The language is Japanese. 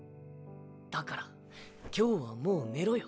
だから今日はもう寝ろよ。